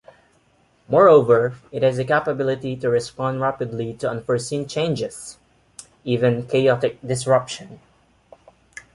Moreover, it has the capability to respond rapidly to unforeseen changes, even chaotic disruption.